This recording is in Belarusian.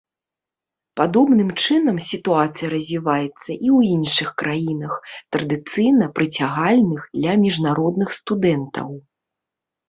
Падобным чынам сітуацыя развіваецца і ў іншых краінах, традыцыйна прыцягальных для міжнародных студэнтаў.